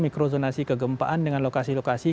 mikrozonasi kegempaan dengan lokasi lokasi